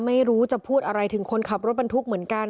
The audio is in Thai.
ไม่รู้จะพูดอะไรถึงคนขับรถบรรทุกเหมือนกัน